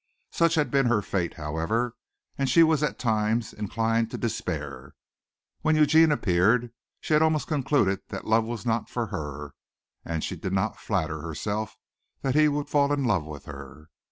Such had been her fate, however, and she was at times inclined to despair. When Eugene appeared she had almost concluded that love was not for her, and she did not flatter herself that he would fall in love with her.